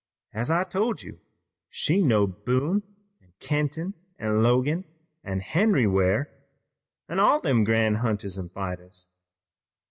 As I told you, she knowed Boone an' Kenton an' Logan an' Henry Ware an' all them gran' hunters an' fighters.